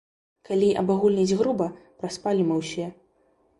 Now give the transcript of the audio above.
Калі абагульніць груба, праспалі мы ўсе.